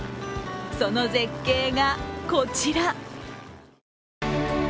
その絶景がこちら。